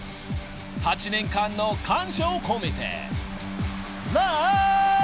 ［８年間の感謝を込めて］